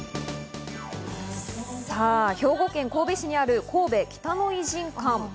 兵庫県神戸市にある神戸・北野異人館。